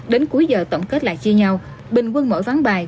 đến cuối giờ tổng kết lại chia nhau bình quân mở ván bài